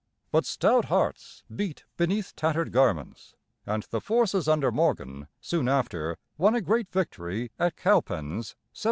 But stout hearts beat beneath tattered garments, and the forces under Morgan soon after won a great victory at Cowpens (1781).